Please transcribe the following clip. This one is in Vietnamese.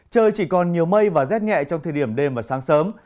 trời chỉ còn nhiều mây và rét nhẹ trong thời điểm đêm và sáng sớm